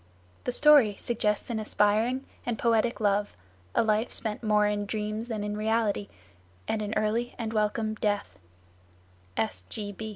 The story suggests aspiring and poetic love, a life spent more in dreams than in reality, and an early and welcome death.